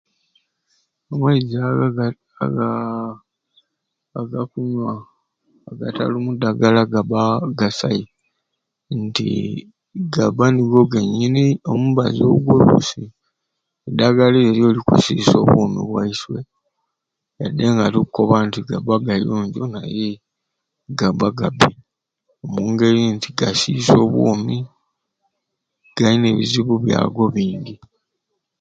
Amaizi ago aga agaa aga kunywa agatalumu dagala gabba gasai nti gabba nigo gennyini omubazi ogwo olusi eddagala ekyo kisiisa obwoomi bwaiswe yadde nga tukkoba nti gabba gayonjo naye gabba gabbi omu ngeri nti gasiisa obwoomi, galina ebizibu byago bingi.